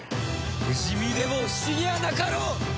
不死身でも不思議はなかろう！